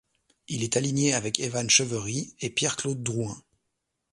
Il est aligné avec Evan Cheverie et Pierre-Claude Drouin.